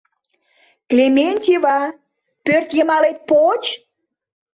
Клементьева, пӧртйымалет поч!